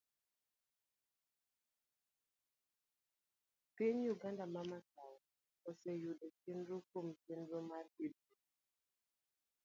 Piny Uganda ma masawa oseyudo konyruok kuom chenro mar gedono.